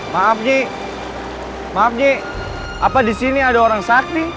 maaf j maaf j apa di sini ada orang sakti